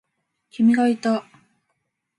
君がいた。